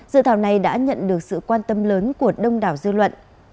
dự thảo này đã nhận được sự quan tâm lớn của đông đảo dư luận